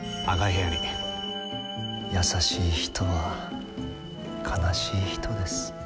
優しい人は悲しい人です。